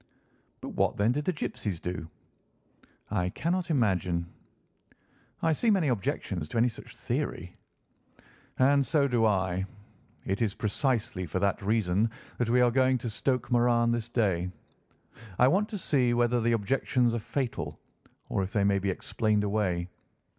"But what, then, did the gipsies do?" "I cannot imagine." "I see many objections to any such theory." "And so do I. It is precisely for that reason that we are going to Stoke Moran this day. I want to see whether the objections are fatal, or if they may be explained away.